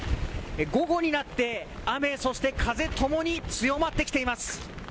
午後になって雨、そして風ともに強まってきています。